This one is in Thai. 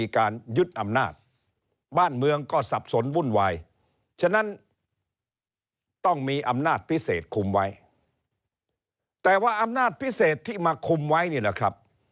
แต่ว่าอำนาจพิเศษที่มาคุมไว้นี่แหละครับ